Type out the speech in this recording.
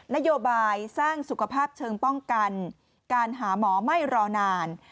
นโยบายสร้างสุขภาพเชิงป้องกันการหาหมอไม่รอนาน